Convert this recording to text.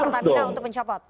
pertamina untuk mencopot